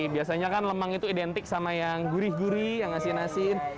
biasanya kan lemang itu identik sama yang gurih gurih yang asin asin